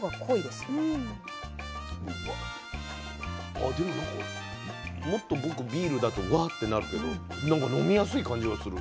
ああでもなんかもっと僕ビールだとワッてなるけどなんか飲みやすい感じがする。